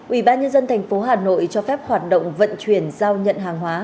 ủy ban nhân dân tp hà nội cho phép hoạt động vận chuyển giao nhận hàng hóa